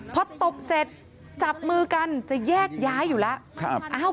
พอตบเสร็จจับมือกันจะแยกย้ายอยู่แล้ว